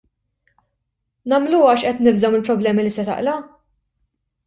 Nagħmluha għax qed nibżgħu mill-problemi li se taqla'?